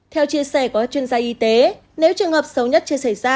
theo chia sẻ của các chuyên gia y tế nếu trường hợp xấu nhất chưa xảy ra